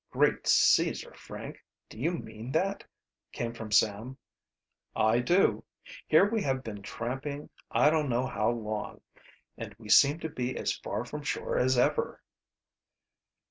"Great Caesar, Frank, do you mean that?" came from Sam. "I do. Here we have been tramping I don't know how long, and we seem to be as far from shore as ever."